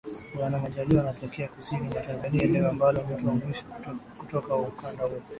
Bwana Majaliwa anatokea kusini mwa Tanzania eneo ambalo mtu wa mwisho kutoka ukanda huo